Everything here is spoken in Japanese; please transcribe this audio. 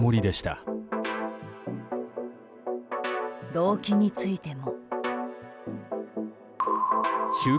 動機についても。